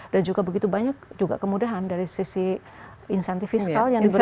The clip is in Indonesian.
dan juga begitu banyak juga kemudahan dari sisi insentif fiskal yang diberikan